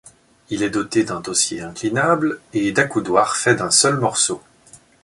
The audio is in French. Il est doté d'un dossier inclinable et d'accoudoirs fait d'un seul morceau.